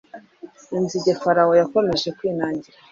inzige farawo yakomeje kwinangira